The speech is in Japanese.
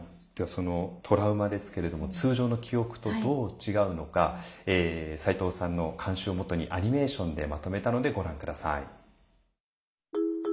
ではそのトラウマですけれども通常の記憶とどう違うのか齋藤さんの監修をもとにアニメーションでまとめたのでご覧下さい。